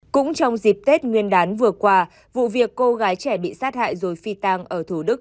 cũng trong dịp tết nguyên đán vừa qua vụ việc cô gái trẻ bị sát hại rồi phi tang ở thủ đức